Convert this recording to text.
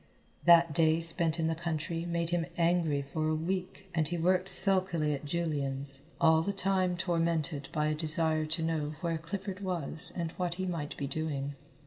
That day spent in the country made him angry for a week, and he worked sulkily at Julian's, all the time tormented by a desire to know where Clifford was and what he might be doing.